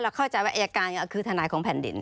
เข้าใจว่าอายการก็คือทนายของแผ่นดิน